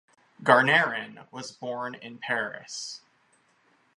Garnerin was born in Paris.